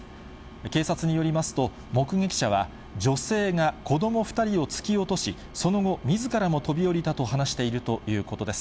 警察によりますと、目撃者は、女性が子ども２人を突き落とし、その後、みずからも飛び降りたと話しているということです。